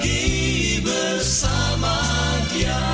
ku kan pergi bersamanya